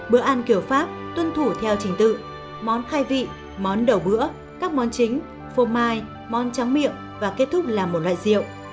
bữa ăn kiểu pháp tuân thủ theo trình tự món hai vị món đầu bữa các món chính phô mai món trắng miệng và kết thúc là một loại rượu